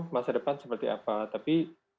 masa depan seperti apa tapi